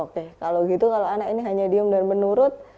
oke kalau gitu kalau anak ini hanya diem dan menurut